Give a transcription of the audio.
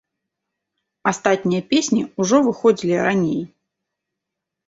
Астатнія песні ўжо выходзілі раней.